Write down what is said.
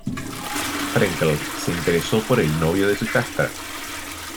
Frenkel se interesó por el novio de su hijastra.